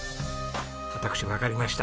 私わかりました。